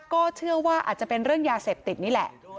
ก็เชื่อว่าอาจจะเป็นเรื่องยาเสพติดนี่แหละ